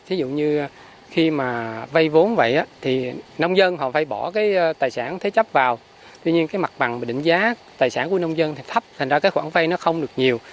thí dụ như khi mà vay vốn vậy thì nông dân họ phải bỏ cái tài sản thế chấp vào tuy nhiên cái mặt bằng định giá tài sản của nông dân thì thấp thành ra cái khoản vay nó không được nhiều